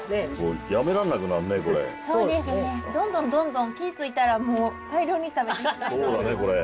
どんどんどんどん気ぃ付いたらもう大量に食べてしまいそう。